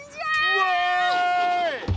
うわい！